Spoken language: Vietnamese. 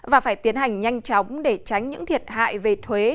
và phải tiến hành nhanh chóng để tránh những thiệt hại về thuế